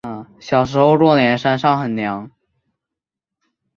小时候过年山上很凉